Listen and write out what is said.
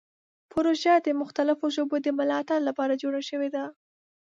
پروژه د مختلفو ژبو د ملاتړ لپاره جوړه شوې ده.